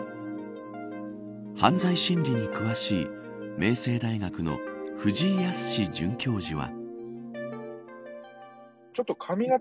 犯罪心理に詳しい明星大学の藤井靖准教授は。